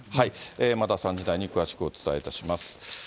また３時台に詳しくお伝えいたします。